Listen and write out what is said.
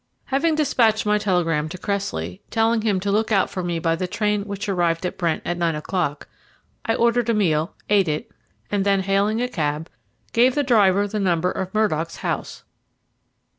Having despatched my telegram to Cressley, telling him to look out for me by the train which arrived at Brent at nine o'clock, I ordered a meal, ate it, and then hailing a cab, gave the driver the number of Murdock's house.